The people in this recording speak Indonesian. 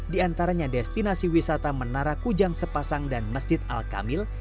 di antaranya destinasi wisata menara kujang sepasang dan masjid al kamil